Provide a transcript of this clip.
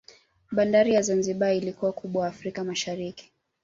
Bandari ya Zanzibar ilikuwa kubwa Afrika Mashariki